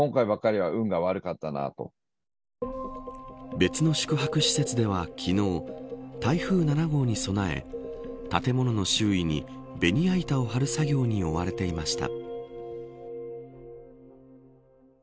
別の宿泊施設では昨日台風７号に備え建物の周囲にベニヤ板を張る作業に追われていました。